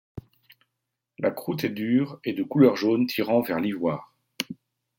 La croûte est dure et de couleur jaune tirant vers l'ivoire.